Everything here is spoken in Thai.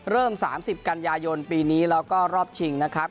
เริ่ม๓๐กันยายนปีนี้แล้วก็รอบชิงนะครับ